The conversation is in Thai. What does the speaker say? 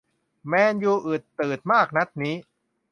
แมนยูอืดตืดมากนัดนี้